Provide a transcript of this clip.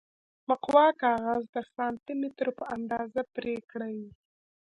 مقوا کاغذ د سانتي مترو په اندازه پرې کړئ.